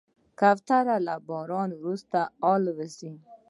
کوتره له باران وروسته الوزي.